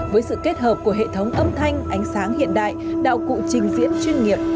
với sự kết hợp của hệ thống âm thanh ánh sáng hiện đại đạo cụ trình diễn chuyên nghiệp